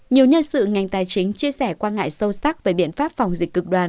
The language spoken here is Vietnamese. nhiều nhân sự ngành tài chính chia sẻ quan ngại sâu sắc về biện pháp phòng dịch cực đoàn